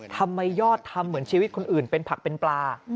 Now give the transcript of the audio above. ยอดทำเหมือนชีวิตคนอื่นเป็นผักเป็นปลา